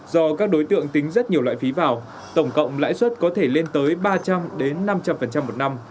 do các đối tượng tính rất nhiều loại phí vào tổng cộng lãi suất có thể lên tới ba trăm linh năm trăm linh một năm